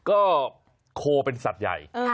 ก็โคเป็นสัตว์ใหญ่